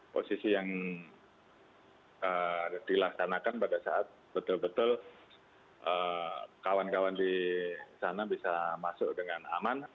posisi yang dilaksanakan pada saat betul betul kawan kawan di sana bisa masuk dengan aman